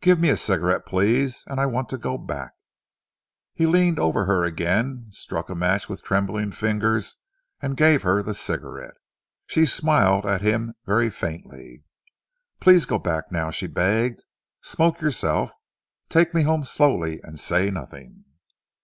"Give me a cigarette, please and I want to go back." He leaned over her again, struck a match with trembling fingers and gave her the cigarette. She smiled at him very faintly. "Please go back now," she begged. "Smoke yourself, take me home slowly and say nothing."